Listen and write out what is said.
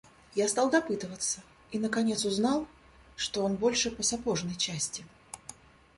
Я стал допытываться и, наконец, узнал, что он больше по сапожной части.